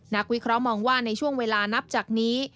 วิเคราะห์มองว่าในช่วงเวลานับจากนี้